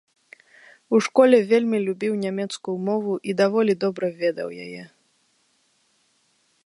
У школе вельмі любіў нямецкую мову і даволі добра ведаў яе.